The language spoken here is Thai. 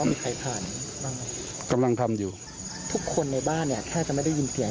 ว่ามีใครผ่านกำลังทำอยู่ทุกคนในบ้านแค่จะไม่ได้ยินเสียง